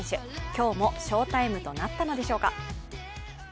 今日も翔タイムとなったのでしょうか。